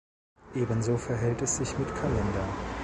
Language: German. Ebenso verhält es sich mit Kalendern.